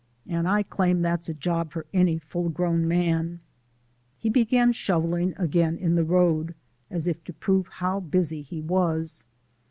And I claim that's a job for any full grown man." He began shovelling again in the road as if to prove how busy he was.